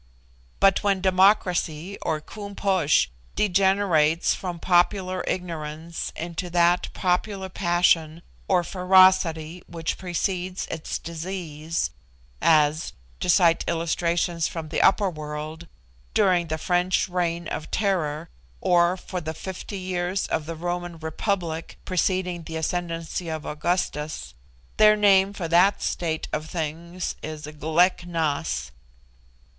But when Democracy or Koom Posh degenerates from popular ignorance into that popular passion or ferocity which precedes its decease, as (to cite illustrations from the upper world) during the French Reign of Terror, or for the fifty years of the Roman Republic preceding the ascendancy of Augustus, their name for that state of things is Glek Nas.